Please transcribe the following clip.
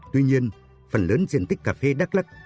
tuy nhiên phần lớn diện tích cà phê đắk lắc